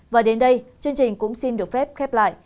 và đến đây chương trình cũng xin được phép khép lại